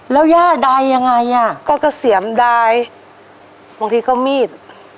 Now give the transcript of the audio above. แล้วย่าดายยังไงอ่ะก็เกษียมดายบางทีก็มีด